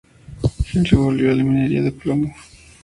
Henry volvió a la minería de plomo.